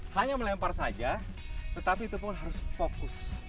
hanya melempar saja tetapi itu pun harus fokus